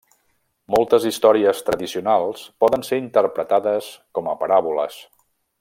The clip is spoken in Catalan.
Moltes històries tradicionals poden ser interpretades com a paràboles.